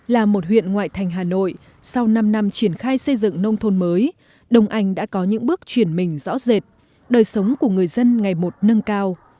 là một huyện ngoại thành hà nội sau năm năm triển khai xây dựng nông thôn mới đông anh đã có những bước chuyển mình rõ rệt đời sống của người dân ngày một nâng cao